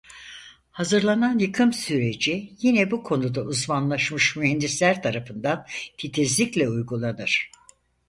Hazırlanan yıkım süreci yine bu konuda uzmanlaşmış mühendisler tarafından titizlikle uygulanır.